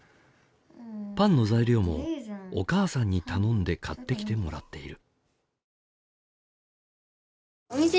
パンの材料もお母さんに頼んで買ってきてもらっている。